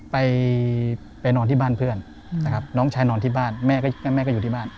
ไปไปนอนที่บ้านเพื่อนนะครับน้องชายนอนที่บ้านแม่ก็อยู่ที่บ้าน